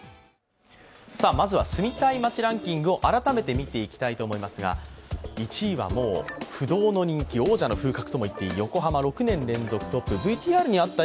まずは住みたい街ランキングを改めて見ていきたいと思うんですが１位は不動の人気、王者の風格ともいっていい、６年連続１位。